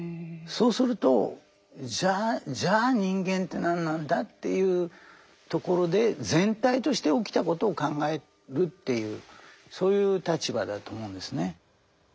そうするとじゃあ人間って何なんだというところで全体として起きたことを考えるというそういう立場だと思うんですね。